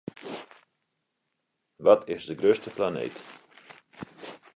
Wat is de grutste planeet?